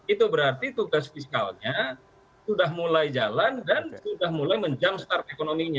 itu berarti tugas fiskalnya sudah mulai jalan dan sudah mulai menjump start ekonominya